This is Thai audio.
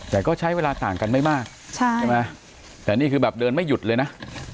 แต่ก็ใช้เวลาต่างกันไม่มากใช่ไหมแต่นี่คือแบบเดินไม่หยุดเลยนะ